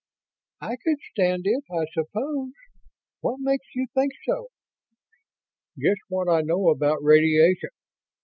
"I could stand it, I suppose. What makes you think so?" "Just what I know about radiation.